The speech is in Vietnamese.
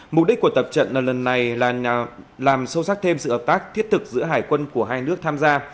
mục đích của tập trận lần này là làm sâu sắc thêm sự hợp tác thiết thực giữa hải quân của hai nước tham gia